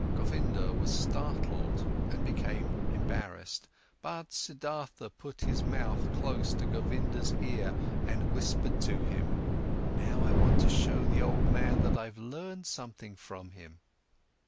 Govinda was startled and became embarrassed. But Siddhartha put his mouth close to Govinda's ear and whispered to him: "Now, I want to show the old man that I've learned something from him."